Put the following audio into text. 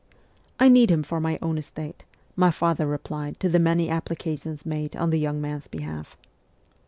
' I need him for my own estate,' my father replied to the many applications made on the young man's behalf.